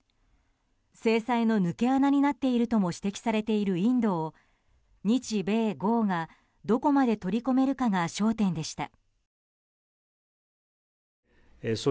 制裁の抜け穴になっているとも指摘されているインドを日米豪がどこまで取り込めるかが焦点でした。